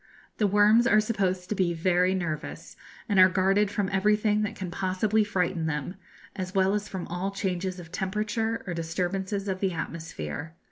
The worms are supposed to be very nervous, and are guarded from everything that can possibly frighten them, as well as from all changes of temperature or disturbances of the atmosphere.